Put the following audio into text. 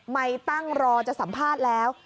ไม่ตั้งรอจะสัมภาษณ์แล้ว